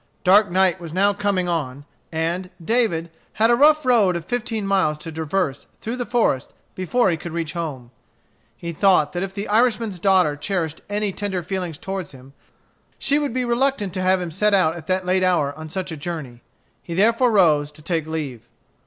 Dark night was now coming on, and David had a rough road of fifteen miles to traverse through the forest before he could reach home. He thought that if the Irishman's daughter cherished any tender feelings toward him, she would be reluctant to have him set out at that late hour on such a journey. He therefore rose to take leave.